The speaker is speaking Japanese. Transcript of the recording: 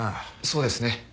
そうですね。